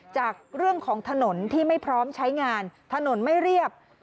จากเรื่องของถนนที่ไม่พร้อมใช้งานถนนไม่เรียบ